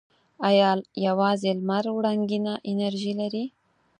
آیا یوازې لمر وړنګینه انرژي لري؟